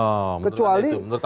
oh menurut anda itu ya